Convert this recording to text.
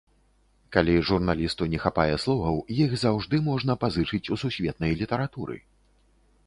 Калі журналісту не хапае словаў, іх заўжды можна пазычыць у сусветнай літаратуры.